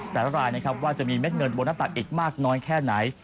รายนะครับว่าจะมีเม็ดเงินบนหน้าตักอีกมากน้อยแค่ไหน